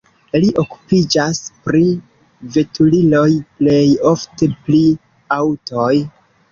Li okupiĝas pri veturiloj, plej ofte pri aŭtoj.